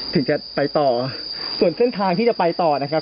ถึงจะไปต่อส่วนเส้นทางที่จะไปต่อนะครับ